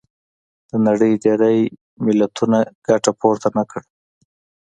د نړۍ ډېری ملتونو ګټه پورته نه کړه.